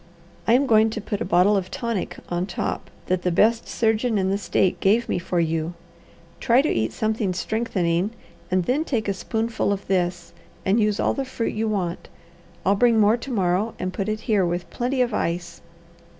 I am going to put a bottle of tonic on top that the best surgeon in the state gave me for you. Try to eat something strengthening and then take a spoonful of this, and use all the fruit you want. I'll bring more to morrow and put it here, with plenty of ice.